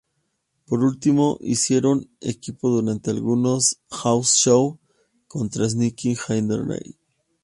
Por último, hicieron equipo durante algunos house shows contra Snitsky y Heidenreich.